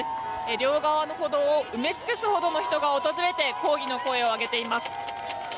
両側の歩道を埋め尽くすほどの人が訪れて抗議の声を上げています。